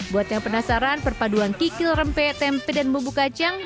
buat yang penasaran perpaduan kikil rempe tempe dan bumbu kacang